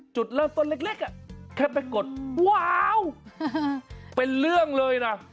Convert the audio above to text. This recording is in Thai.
จุดเริ่มต้นเล็กแค่ไปกดว้าวเป็นเรื่องเลยนะ